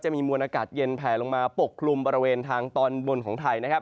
มีมวลอากาศเย็นแผลลงมาปกคลุมบริเวณทางตอนบนของไทยนะครับ